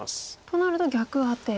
となると逆アテ。